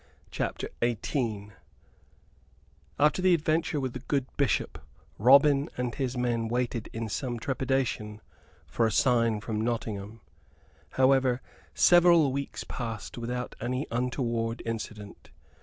CHAPTER XVIII After the adventure with the good Bishop, Robin and his men waited in some trepidation for a sign from Nottingham. However, several weeks passed without any untoward incident.